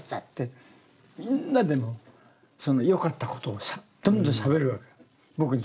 ってみんなでもうその良かったことをさどんどんしゃべるわけだよ。